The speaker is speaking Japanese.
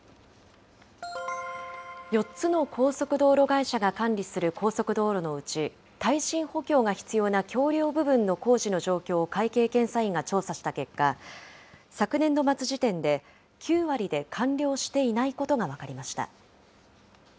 ４つの高速道路会社が管理する高速道路のうち、耐震補強が必要な橋りょう部分の工事の状況を会計検査院が調査した結果、昨年度末時点で、９割で完了していないことが分かりました。